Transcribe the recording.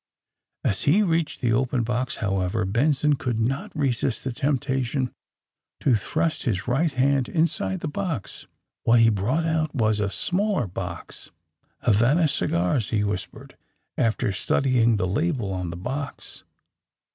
'* As he reached the opened case, however, Ben son could not resist the temptation to thrust his right hand inside the box. What he brought out was a smaller box. Havana cigars!" he whispered, after study ing the label on the box.